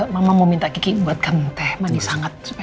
mama mau minta kiki buatkan teh manis sangat